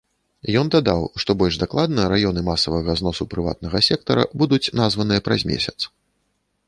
Ён дадаў, што больш дакладна раёны масавага зносу прыватнага сектара будуць названыя праз месяц.